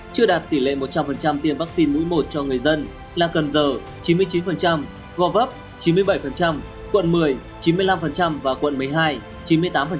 chưa đạt tỷ lệ một trăm linh tiêm vaccine mũi một cho người dân là cần giờ chín mươi chín gò vấp chín mươi bảy quận một mươi chín mươi năm và quận một mươi hai chín mươi tám